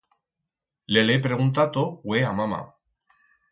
Le'l he preguntato hue a mama.